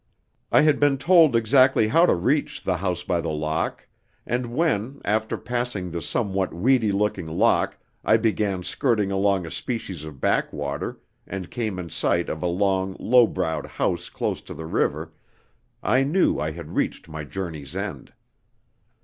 I had been told exactly how to reach the House by the Lock, and when, after passing the somewhat weedy looking lock, I began skirting along a species of backwater, and came in sight of a long, low browed house close to the river, I knew I had reached my journey's end.